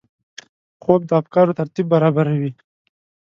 خوب د افکارو ترتیب برابروي